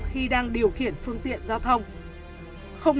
khi đang điều khiển phương tiện giao thông không